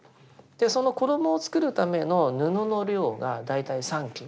その衣を作るための布の量が大体三斤。